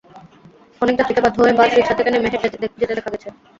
অনেক যাত্রীকে বাধ্য হয়ে বাস, রিকশা থেকে নেমে হেঁটে যেতে দেখা গেছে।